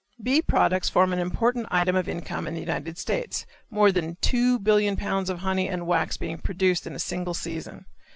Bee products form an important item of income in the United States, more than two billion pounds of honey and wax being produced in a single season.